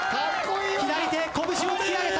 左手拳を突き上げた。